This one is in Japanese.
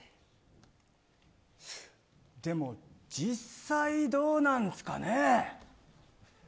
でも、実際どうなんすかね。